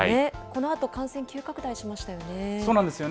このあと、感染急拡大しましたよ